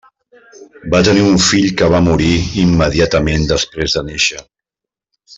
Va tenir un fill que va morir immediatament després de néixer.